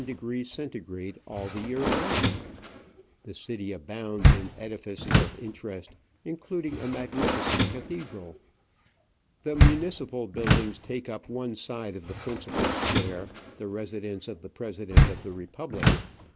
degrees Centigrade all the year round. The city abounds in edifices of interest, including a magnificent Digitized by V:iOOQIC 128 * Travels and Adventures cathedral. The municipal buildings take up one side of the principal square, the residence of the President of the Republic.